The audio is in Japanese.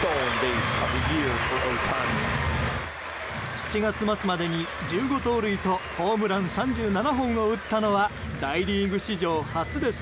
７月末までに１５盗塁とホームラン３７本を打ったのは大リーグ史上初です。